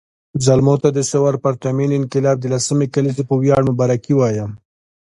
زلمو ته د ثور پرتمین انقلاب د لسمې کلېزې په وياړ مبارکي وایم